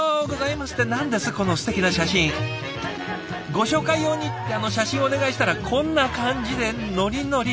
「ご紹介用に」って写真をお願いしたらこんな感じでノリノリ。